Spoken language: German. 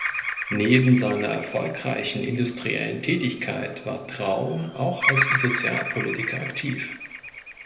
Neben seiner erfolgreichen Industriellen Tätigkeit war Traun auch als Sozialpolitiker aktiv.